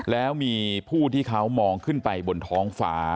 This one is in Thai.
แล้วมีผู้ที่เขามองขึ้นไปบนท้องฟ้า